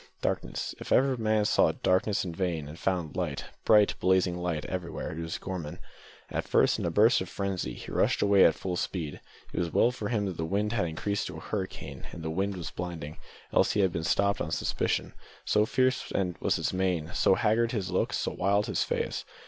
Darkness! If ever a man sought darkness in vain, and found light, bright blazing light, everywhere, it was Gorman. At first, in a burst of frenzy, he rushed away at full speed. It was well for him that the wind had increased to a hurricane and the rain was blinding, else had he been stopped on suspicion, so fierce was his mien, so haggard his look, so wild his race.